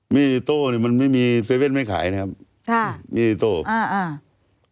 มีดอิโต้เนี้ยมันไม่มีเซเว่นไม่ขายนะครับค่ะมีดอิโต้อ่าอ่า